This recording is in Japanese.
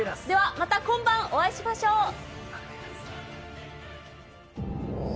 ではまた今晩をお会いしましょう。